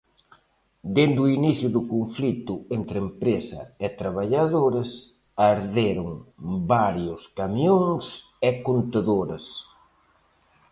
Dende o inicio do conflito entre empresa e traballadores arderon varios camións e contedores.